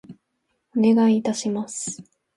お願い致します。